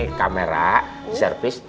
ini kamera servis